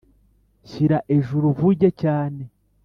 Shyira ejuru uvuge cyane